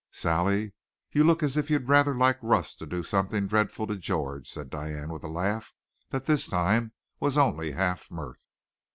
"Sally, you look as if you'd rather like Russ to do something dreadful to George," said Diane with a laugh that this time was only half mirth.